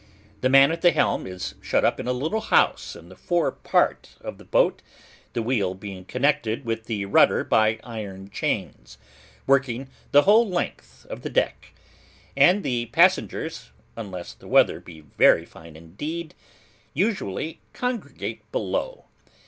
The man at the helm is shut up in a little house in the fore part of the boat (the wheel being connected with the rudder by iron chains, working the whole length of the deck); and the passengers, unless the weather be very fine indeed, usually congregate below.